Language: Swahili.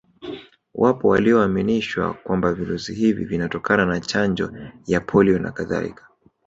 Wapo walioaminishwa kwamba virusi hivi vinatokana na Chanjo ya polio na Kadhaika